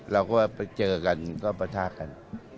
เราก็ไปเจอกันก็ประทะกัน